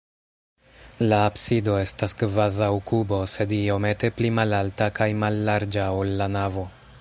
La absido estas kvazaŭ kubo, sed iomete pli malalta kaj mallarĝa, ol la navo.